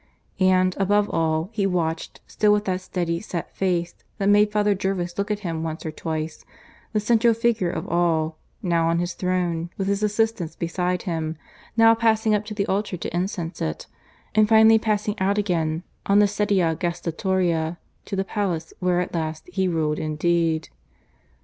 And, above all, he watched, still with that steady set face that made Father Jervis look at him once or twice, the central figure of all, now on his throne, with his assistants beside him, now passing up to the altar to incense it, and finally passing out again on the sedia gestatoria to the palace where at last he ruled indeed.